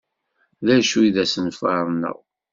D acu i d asenfaṛ-nneɣ?